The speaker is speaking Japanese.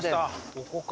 ここか。